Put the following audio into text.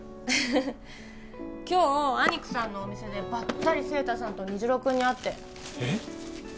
フフッ今日アニクさんのお店でばったり晴太さんと虹朗君に会ってえっ？